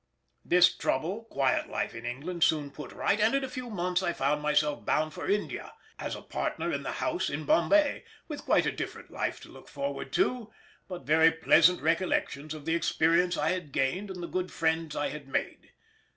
This trouble quiet life in England soon put right, and in a few months I found myself bound for India as a partner in the house in Bombay, with quite a different life to look forward to, but very pleasant recollections of the experience I had gained and the good friends I had made.